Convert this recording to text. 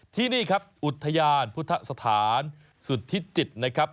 ที่นี่ครับอุทยานพุทธสถานสุธิจิตนะครับ